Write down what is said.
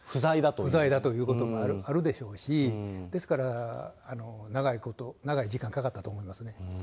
不在だということもあるでしょうし、ですから、長いこと、長い時間、かかったと思いますね。